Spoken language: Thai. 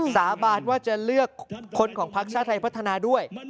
สาบานว่าจะเลือกคนของพักชาติไทยพัฒนาด้วย